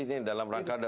ini dalam rangka dua